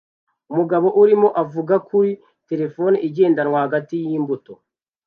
Umugabo arimo avuga kuri terefone igendanwa hagati yimbuto